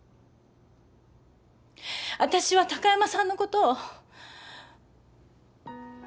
私は高山さんのことを。